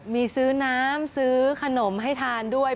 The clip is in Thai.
มีซื้อน้ำซื้อขนมให้ทานด้วย